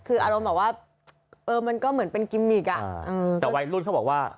คืออารมณ์แบบว่าเออมันก็เหมือนเป็นกิมมิกอ่ะแต่วัยรุ่นเขาบอกว่า